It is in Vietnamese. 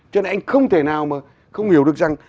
cho nên anh không thể nào mà không hiểu được rằng